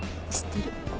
知ってる。